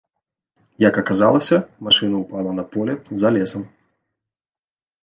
Як аказалася, машына ўпала на поле, за лесам.